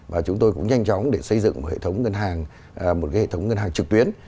và chúng tôi cũng nhanh chóng để xây dựng một hệ thống ngân hàng trực tuyến